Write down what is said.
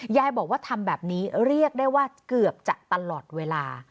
ยายบอกว่าทำแบบนี้เรียกได้ว่าเกือบจะตลอดเวลา